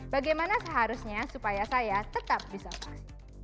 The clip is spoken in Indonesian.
bagaimana seharusnya supaya saya tetap bisa pas